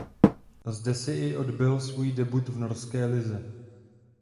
Zde se i odbyl svůj debut v norské lize.